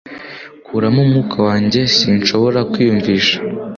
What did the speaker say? kuramo umwuka wanjye. Sinshobora kwiyumvisha